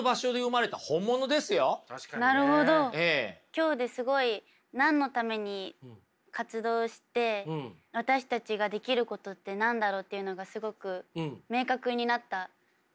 今日ですごい何のために活動して私たちができることって何だろうっていうのがすごく明確になった気がしました